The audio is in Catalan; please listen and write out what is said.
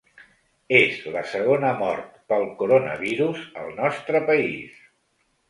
És la segona mort pel coronavirus al nostre país.